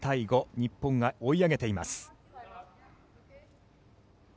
日本が追い上げています。